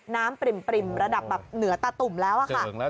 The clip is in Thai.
น้ำปริ่มระดับเหนือตาตุ่มแล้วค่ะ